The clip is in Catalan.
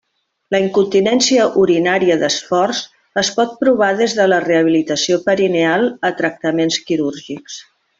La incontinència urinària d'esforç, es pot provar des de la rehabilitació perineal a tractaments quirúrgics.